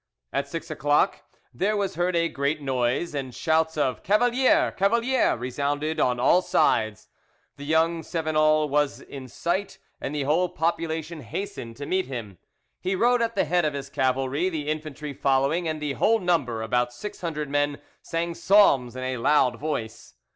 At six o'clock there was heard a great noise; and shouts of "Cavalier! Cavalier!" resounded on all sides. The young Cevenol was in sight, and the whole population hastened to meet him. He rode at the head of his cavalry, the infantry following, and the whole number—about six hundred men—sang psalms in a loud voice.